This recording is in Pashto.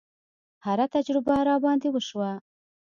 هره تجربه راباندې وشوه.